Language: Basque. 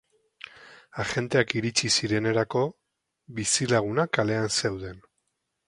Agenteak iritsi zirenerako, bizilagunak kalean zeuden.